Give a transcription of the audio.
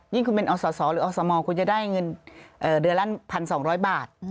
ยิ่งคุณเป็นอสสหรืออสมคุณจะได้เงินเดือร์รั่น๑๒๐๐บาท